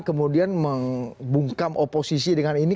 kemudian membungkam oposisi dengan ini